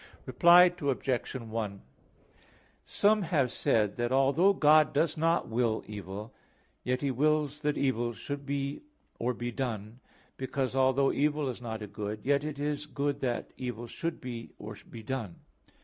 Reply Obj. 1: Some have said that although God does not will evil, yet He wills that evil should be or be done, because, although evil is not a good, yet it is good that evil should be or be done.